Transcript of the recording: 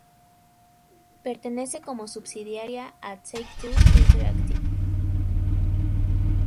Pertenece como subsidiaria a Take-Two Interactive.